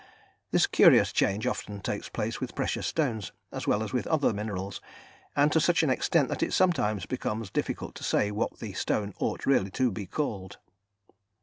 This curious change often takes place with precious stones, as well as with other minerals, and to such an extent that it sometimes becomes difficult to say what the stone ought really to be called.